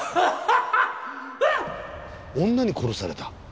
女に殺された？